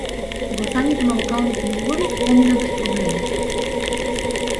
Гласањето на локалните избори помина без проблеми.